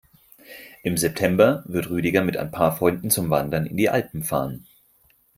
Im September wird Rüdiger mit ein paar Freunden zum Wandern in die Alpen fahren.